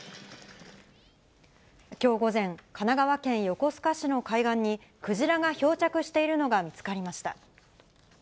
きょう午前、神奈川県横須賀市の海岸に、クジラが漂着しているのが見つかりました。